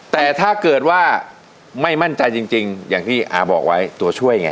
แต่ถ้าเกิดว่าไม่มั่นใจจริงอย่างที่อาบอกไว้ตัวช่วยไง